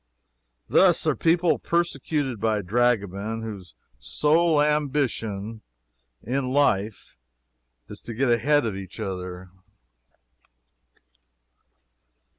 Thus are people persecuted by dragomen, whose sole ambition in life is to get ahead of each other.